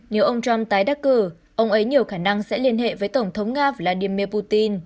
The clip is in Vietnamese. nếu ông trump tái đắc cử ông ấy nhiều khả năng sẽ liên hệ với tổng thống nga vladimir putin